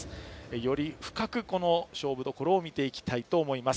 より深く、勝負どころを見ていきたいと思います。